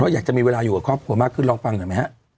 อยากจะมีเวลาอยู่กับครอบครัวมากขึ้นมาพลางนะ